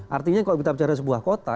artinya kalau kita bicara sebuah kota